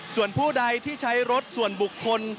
ส่วนผู้ใดที่ใช้รถส่วนบุคคล